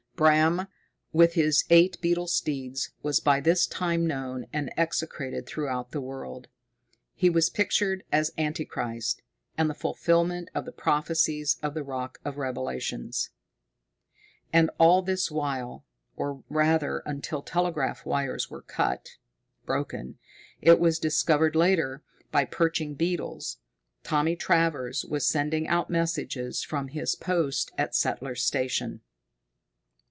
Bram, with his eight beetle steeds, was by this time known and execrated throughout the world. He was pictured as Anti Christ, and the fulfilment of the prophecies of the Rock of Revelations. And all this while or, rather, until the telegraph wires were cut broken, it was discovered later, by perching beetles Thomas Travers was sending out messages from his post at Settler's Station.